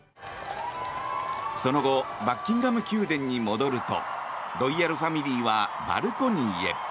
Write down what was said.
その後バッキンガム宮殿に戻るとロイヤルファミリーはバルコニーへ。